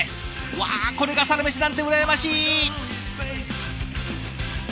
わあこれがサラメシなんて羨ましい！